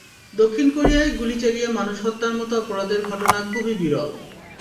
দক্ষিণ কোরিয়ায় গুলি চালিয়ে মানুষ হত্যার মতো অপরাধের ঘটনা খুবই বিরল।